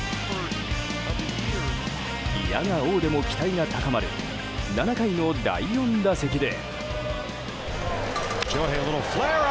否が応でも期待が高まる７回の第４打席で。